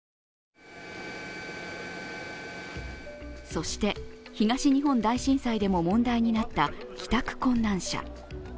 そして、東日本大震災でも問題になった帰宅困難者。